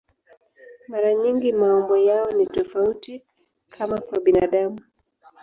Mara nyingi maumbo yao ni tofauti, kama kwa binadamu.